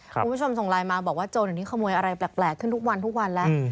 คุณผู้ชมส่งไลน์มาบอกว่าโจรเดี๋ยวนี้ขโมยอะไรแปลกขึ้นทุกวันทุกวันแล้ว